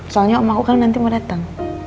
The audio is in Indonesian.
soalnya om aku kan nanti mau datang